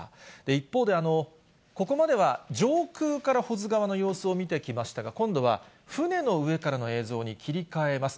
一方で、ここまでは上空から保津川の様子を見てきましたが、今度は船の上からの映像に切り替えます。